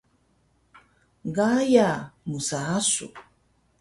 Gaya msaasu